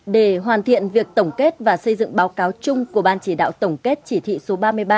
để hoàn thiện việc tổng kết và xây dựng báo cáo chung của ban chỉ đạo tổng kết chỉ thị số ba mươi ba